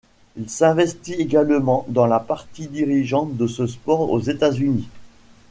Il s'investit également dans la partie dirigeante de ce sport aux États-Unis.